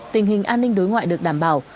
tình hình an ninh đối ngoại được đảm bảo